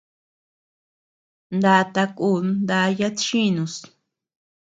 Nata kun daya chinus.